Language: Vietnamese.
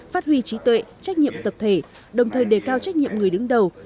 phát huy trí tuệ trách nhiệm tập thể đồng thời đề cao trách nhiệm người đứng đầu